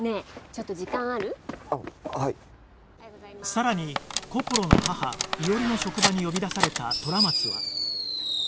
さらにこころの母伊織の職場に呼び出された虎松は